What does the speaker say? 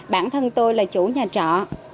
bản thân tôi là chủ nhà trọ